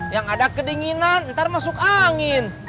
yang ada kedinginan ntar masuk angin